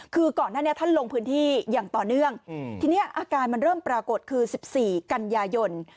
คือก่อนหน้านี้ท่านลงพื้นที่อย่างต่อเนื่องทีนี้อาการมันเริ่มปรากฏคือ๑๔กันยายน